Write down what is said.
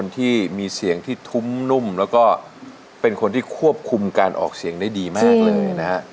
ทุ่มนุ่มแล้วก็เป็นคนที่ควบคุมการออกเสียงได้ดีมากเลยนะฮะ